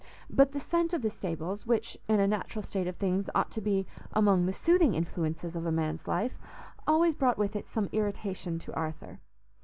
But the scent of the stables, which, in a natural state of things, ought to be among the soothing influences of a man's life, always brought with it some irritation to Arthur.